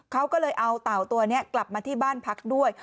เขาก็เลยเอาเต่าตัวนี้กลับมาที่บ้านพักด้วย